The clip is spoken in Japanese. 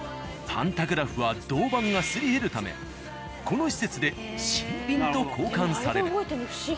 パンタグラフは銅板がすり減るためこの施設で新品と交換される。